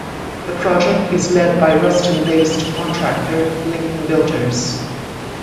The project is led by Ruston-based contractor Lincoln Builders.